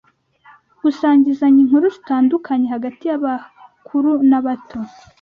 gusangizanya inkuru zitandukanye hagati y’abakuru n’abato